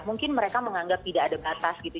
mungkin mereka menganggap tidak ada batas gitu